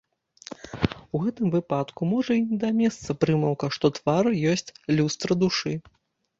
У гэтым выпадку можа і не да месца прымаўка, што твар ёсць люстра душы.